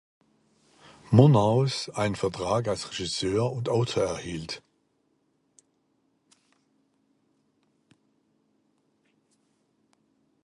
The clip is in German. Murnaus einen Vertrag als Regisseur und Autor erhielt.